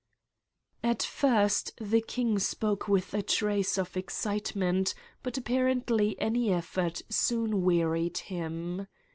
At first the king spoke with a trace of excite ; ment but apparently any effort soon wearied him.